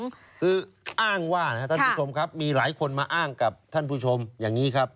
คืออ้างว่านะครับท่านผู้ชมครับมีหลายคนมาอ้างกับท่านผู้ชมอย่างนี้ครับ